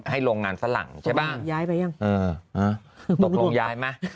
ให้โรงงานฝรั่งใช่ป้างเออหาตกลงย้ายไหม